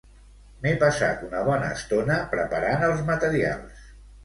M'he passat una bona estona preparant els materials